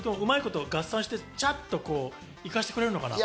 合算してチャっと行かせてくれるのかな？